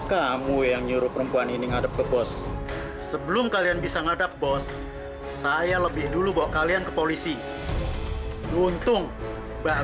sampai jumpa di video selanjutnya